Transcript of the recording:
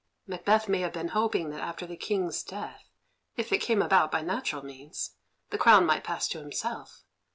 Macbeth may have been hoping that after the King's death, if it came about by natural means, the crown might pass to himself.